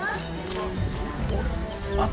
あっ！